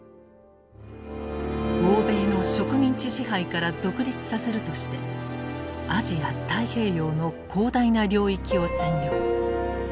欧米の植民地支配から独立させるとしてアジア太平洋の広大な領域を占領。